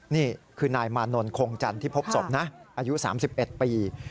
นี่คือนายมานนท์คงจันทร์ที่พบศพนะอายุ๓๑ปี